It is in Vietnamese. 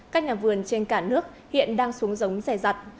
các nhà vườn trên cả nước hiện đang xuống giống rẻ rặt